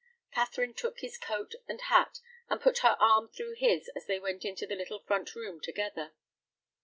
Catherine took his coat and hat, and put her arm through his as they went into the little front room together.